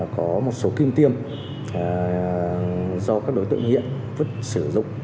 có một số kim tiêm do các đối tượng hiện vứt sử dụng